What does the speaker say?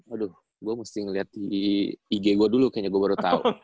aduh gue mesti ngeliat di ig gue dulu kayaknya gue baru tau